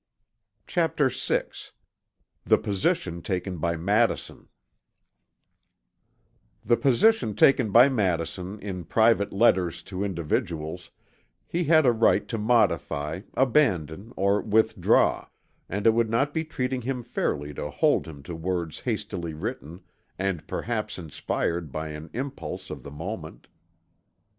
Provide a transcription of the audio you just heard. CHAPTER VI THE POSITION TAKEN BY MADISON The position taken by Madison in private letters to individuals, he had a right to modify, abandon or withdraw; and it would not be treating him fairly to hold him to words hastily written and perhaps inspired by an impulse of the moment.